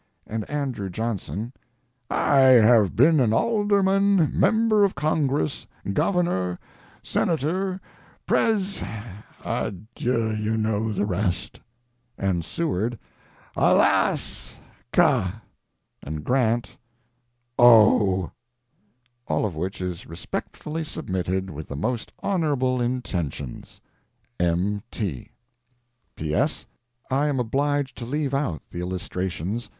And Andrew Johnson, "I have been an alderman, Member of Congress, Governor, Senator, Pres adieu, you know the rest." And Seward., "Alas! ka." And Grant, "O." All of which is respectfully submitted, with the most honorable intentions. M. T. P. S. I am obliged to leave out the illustrations.